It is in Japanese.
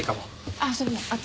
ああそれねあっち。